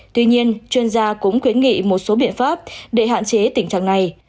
tuy nhiên chuyên gia cũng khuyến nghị một số biện pháp để hạn chế tình trạng này